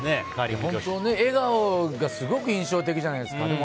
笑顔がすごく印象的じゃないですか。